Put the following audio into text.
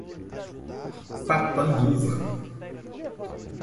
Papanduva